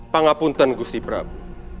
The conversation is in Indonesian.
pangapunten gusti prabu